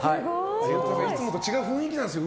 いつもと違う雰囲気なんですよ